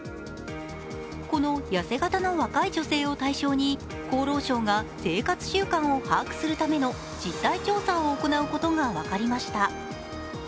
この痩せ形の若い女性を対象に厚労省が生活習慣を把握するための実態調査を行うことが分かりました。